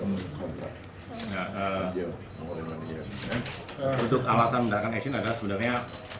untuk alasan menggunakan action adalah sebenarnya